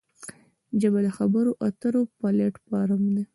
ژبه د خبرو اترو پلیټ فارم دی